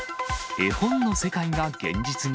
絵本の世界が現実に？